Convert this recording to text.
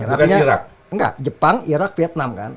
bukan irak enggak jepang irak vietnam kan